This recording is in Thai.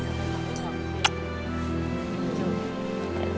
สู้